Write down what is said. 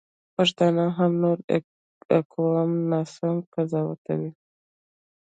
پښتانه هم نور اقوام ناسم قضاوتوي.